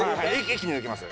一気に抜きます。